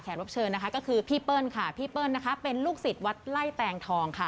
รับเชิญนะคะก็คือพี่เปิ้ลค่ะพี่เปิ้ลนะคะเป็นลูกศิษย์วัดไล่แตงทองค่ะ